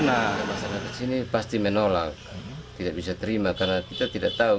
masa masa disini pasti menolak tidak bisa terima karena kita tidak tahu